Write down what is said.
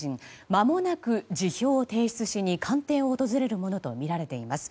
まもなく辞表を提出しに官邸を訪れるものとみられています。